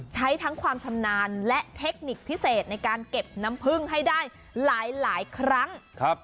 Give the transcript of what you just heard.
ใช้ทั้งความชำนาญและเทคนิคพิเศษในการเก็บน้ำพึ่งให้ได้หลายครั้ง